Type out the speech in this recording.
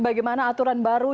bagaimana aturan baru